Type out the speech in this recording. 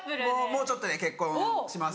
もうちょっとで結婚します。